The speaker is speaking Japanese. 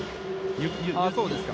そうですか。